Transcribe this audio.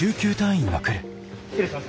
失礼します。